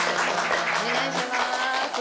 お願いします。